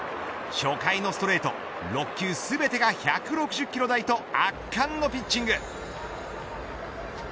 初回のストレート６球全てが１６０キロ台と圧巻のピッチング。